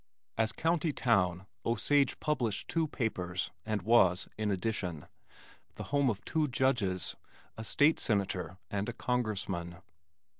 As county town, Osage published two papers and was, in addition, the home of two Judges, a state Senator and a Congressman.